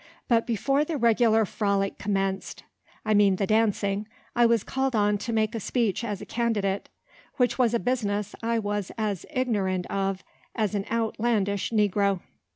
But before the regular frolic commenced, I mean the dancing, I was called on to make a speech as a candidate; which was a business I was as ignorant of as an outlandish negro.